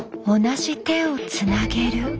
同じ手をつなげる。